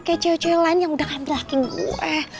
kayak cewek cewek lain yang udah ngandalkin gue